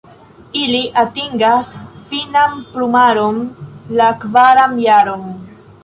Ili atingas finan plumaron la kvaran jaron.